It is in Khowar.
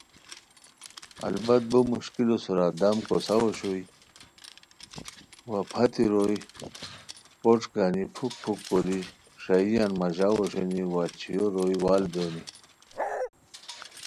البت بو مشکلو سورا دم کوساؤ اوشوئے و ا پھتی روئے پوݯ گانی پُھک پُھک کوری ݰائییان ماژاؤ اوشونی وا چھویو ر وئے وال ہونی